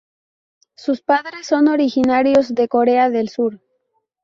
Sus padres son originarios de Corea del Sur.